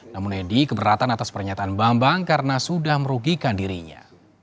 namun edi keberatan atas pernyataan bambang karena sudah merugikan dirinya